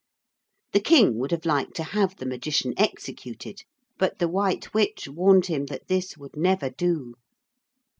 The King would have liked to have the Magician executed but the White Witch warned him that this would never do.